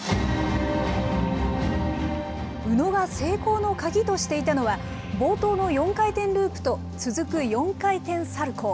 宇野が成功の鍵としていたのが、冒頭の４回転ループと続く４回転サルコー。